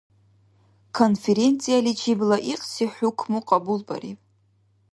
Конффренцияличиб лайикьси хӀукму кьабулбариб.